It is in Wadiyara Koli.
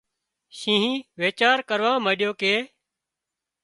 شينهن ويچار ڪروا مانڏيو ڪي